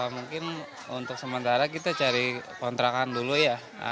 mungkin untuk sementara kita cari kontrakan dulu ya